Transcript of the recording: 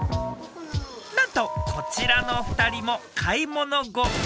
なんとこちらの２人も買い物後